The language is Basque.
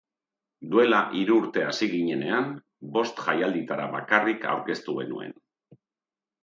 Duela hiru urte hasi ginenean, bost jaialditara bakarrik aurkeztu genuen.